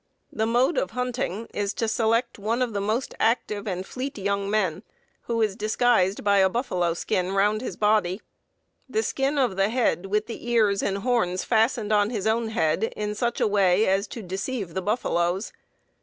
The mode of hunting is to select one of the most active and fleet young men, who is disguised by a buffalo skin round his body; the skin of the head with the ears and horns fastened on his own head in such a way as to deceive the buffaloes.